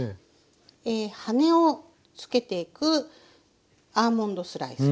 羽をつけていくアーモンドスライス。